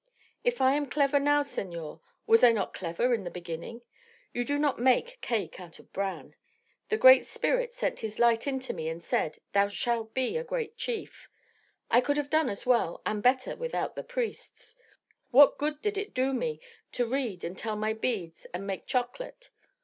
"If I am clever now, senor, was I not clever in the beginning? You do not make cake out of bran. The Great Spirit sent his light into me and said: 'Thou shalt be a great chief.' I could have done as well and better without the priests. What good did it do me to read and tell my beads and make chocolate?